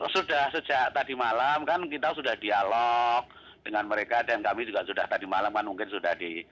sudah sejak tadi malam kan kita sudah dialog dengan mereka dan kami juga sudah tadi malam kan mungkin sudah di